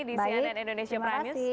di cnn indonesia prime news